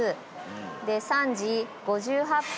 で３時５８分